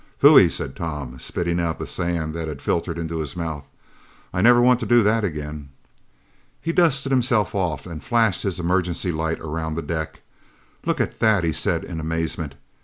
"Phoooeeeey!" said Tom, spitting out the sand that had filtered into his mouth. "I never want to do that again!" He dusted himself off and flashed his emergency light around the deck. "Look at that!" he said in amazement.